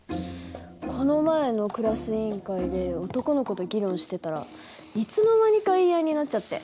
この前のクラス委員会で男の子と議論してたらいつの間にか言い合いになっちゃって。